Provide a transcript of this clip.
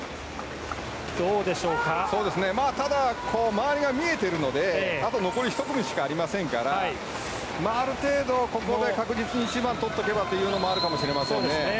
周りが見えているのであと残り１組しかありませんからある程度、ここで確実に一番をとっておけばというのはあるかもしれませんね。